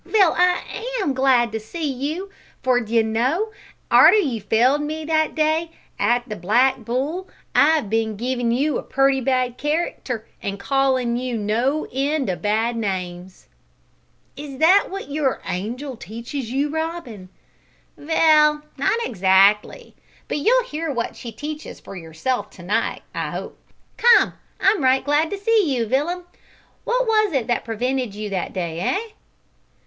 Vell, I am glad to see you, for, d'you know, arter you failed me that day at the Black Bull, I have bin givin' you a pretty bad character, an' callin' you no end o' bad names." "Is that what your `angel' teaches you, Robin?" "Vell, not exactly, but you'll hear wot she teaches for yourself to night, I 'ope. Come, I'm right glad to see you, Villum. What was it that prevented you that day, eh?"